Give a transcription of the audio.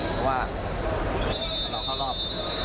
เพราะว่าเราคร่าวรอบ